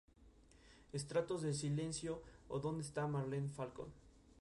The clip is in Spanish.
Estratos del silencio o ¿dónde está Marlene Falcón?